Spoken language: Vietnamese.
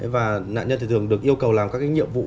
và nạn nhân thì thường được yêu cầu làm các nhiệm vụ